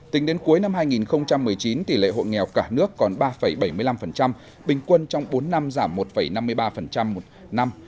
tính đến cuối năm hai nghìn một mươi chín tỷ lệ hộ nghèo cả nước còn ba bảy mươi năm bình quân trong bốn năm giảm một năm mươi ba một năm